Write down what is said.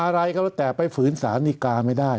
อะไรก็ต้องแต่ไปฝืนสาธิกาไม่ได้